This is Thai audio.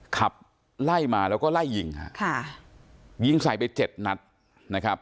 ขับไล่มาแล้วก็ไล่ยิงฮะค่ะยิงใส่ไปเจ็ดนัดนะครับ